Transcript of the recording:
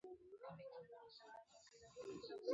د سیمانو د نقشې رسمولو پر مهال باید د اتصال ځایونه وټاکل شي.